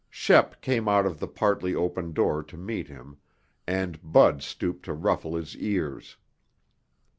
Shep came out of the partly open door to meet him, and Bud stooped to ruffle his ears.